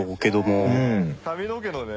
髪の毛のね